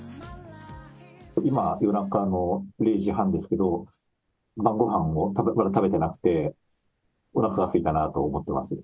今、夜中の０時半ですけど、晩ごはんをまだ食べてなくて、おなかがすいたなと思ってます。